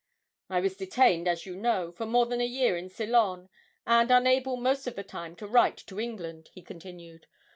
'I was detained, as you know, for more than a year in Ceylon, and unable most of the time to write to England,' he continued.